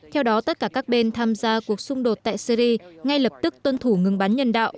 theo đó tất cả các bên tham gia cuộc xung đột tại syri ngay lập tức tuân thủ ngừng bắn nhân đạo